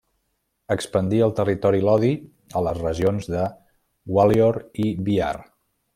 Expandí el territori Lodi a les regions de Gwalior i Bihar.